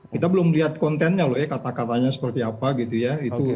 kita belum lihat kontennya loh ya kata katanya seperti apa gitu ya